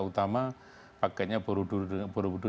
utama paketnya borobudur